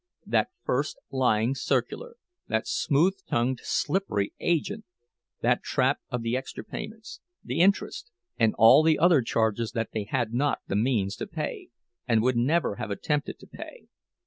That first lying circular, that smooth tongued slippery agent! That trap of the extra payments, the interest, and all the other charges that they had not the means to pay, and would never have attempted to pay!